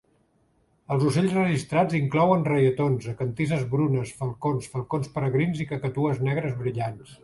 Els ocells registrats inclouen reietons, acantizes brunes, falcons, falcons peregrins i cacatues negres brillants.